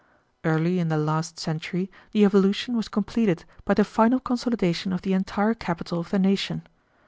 "Early in the last century the evolution was completed by the final consolidation of the entire capital of the nation.